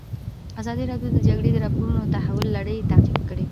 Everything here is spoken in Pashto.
ازادي راډیو د د جګړې راپورونه د تحول لړۍ تعقیب کړې.